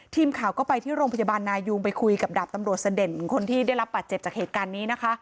ทีมข่าวก็ไปที่โรงพยาบาลนายุงไปคุยกับดาบตำรวจเสด็จคนที่ได้รับบาดเจ็บจากเหตุการณ์นี้นะคะ